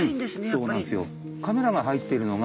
そうなんですよ。